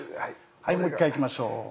はいもう一回いきましょう。